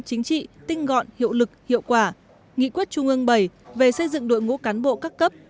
chính trị tinh gọn hiệu lực hiệu quả nghị quyết trung ương bảy về xây dựng đội ngũ cán bộ các cấp